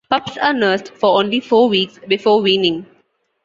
Pups are nursed for only four weeks before weaning.